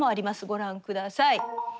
ご覧ください。